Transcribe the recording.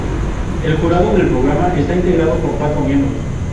El jurado del programa está integrado por cuatro miembros.